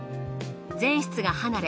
全室が離れ。